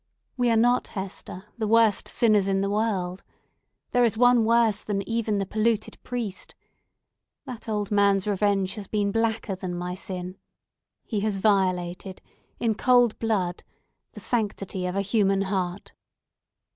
We are not, Hester, the worst sinners in the world. There is one worse than even the polluted priest! That old man's revenge has been blacker than my sin. He has violated, in cold blood, the sanctity of a human heart.